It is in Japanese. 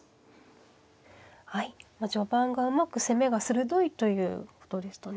はい序盤がうまく攻めが鋭いということでしたね。